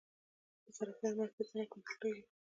د صرافیو مارکیټ څنګه کنټرولیږي؟